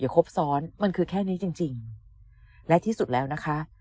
ครบซ้อนมันคือแค่นี้จริงจริงและที่สุดแล้วนะคะ